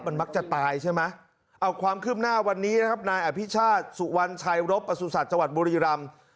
มันมักจะตายใช่ไหมเอาความคืบหน้าวันนี้นะครับนายอภิชาติสุวรรณชัยรบประสุทธิ์จังหวัดบุรีรำ